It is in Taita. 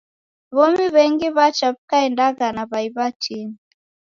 W'omi w'engi w'acha w'ikaendagha na w'ai w'atini.